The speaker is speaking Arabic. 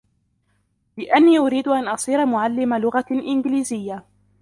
لأني أريد أن أصير معلم لغة إنجليزية.